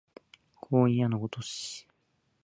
光陰矢のごとし